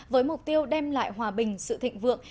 với mục tiêu đem lại hòa bình sự thịnh vượng